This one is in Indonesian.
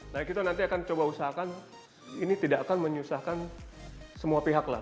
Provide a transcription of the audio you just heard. nah kita nanti akan coba usahakan ini tidak akan menyusahkan semua pihak lah